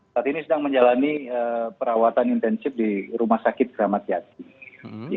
saat ini sedang menjalani perawatan intensif di rumah sakit kramat jati